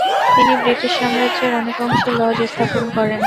তিনি ব্রিটিশ সাম্রাজ্যের অনেক অংশে লজ স্থাপন করেন।